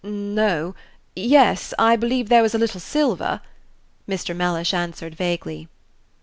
"No yes; I believe there was a little silver," Mr. Mellish answered, vaguely.